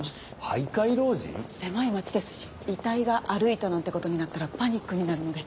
狭い町ですし遺体が歩いたなんてことになったらパニックになるので。